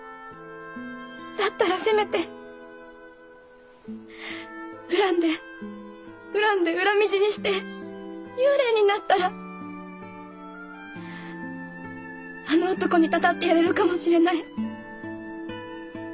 だったらせめて恨んで恨んで恨み死にして幽霊になったらあの男にたたってやれるかもしれない。